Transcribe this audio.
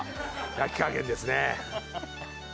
焼き加減ですね。